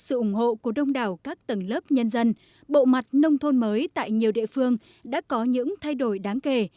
sự ủng hộ của đông đảo các tầng lớp nhân dân bộ mặt nông thôn mới tại nhiều địa phương đã có những thay đổi đáng kể